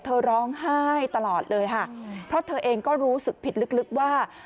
เธอร้องไห้ตลอดเลยค่ะเพราะเธอเองก็รู้สึกผิดลึกว่า